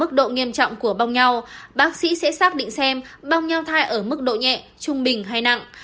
mức độ nghiêm trọng của bong nhau bác sĩ sẽ xác định xem bong nhau thai ở mức độ nhẹ trung bình hay nặng